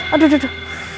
aduh aduh aduh